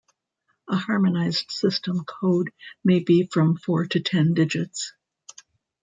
A Harmonized System code may be from four to ten digits.